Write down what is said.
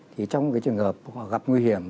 thì trong cái trường hợp họ gặp nguy hiểm